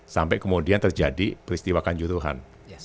sampai kemudian terjadi peristiwa kanjuruhan